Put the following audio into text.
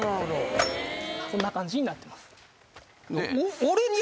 こんな感じになってます。